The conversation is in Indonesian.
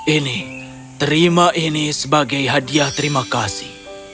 ini terima ini sebagai hadiah terima kasih